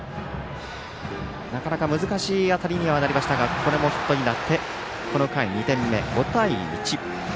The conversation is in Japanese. なかなか難しい当たりにはなりましたがこれもヒットになってこの回２点目、５対１。